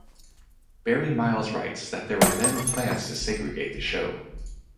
Barry Miles writes that there were never plans to segregate the show.